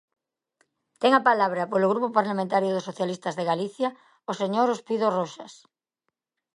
Ten a palabra, polo Grupo Parlamentario dos Socialistas de Galicia, o señor Ospido Roxas.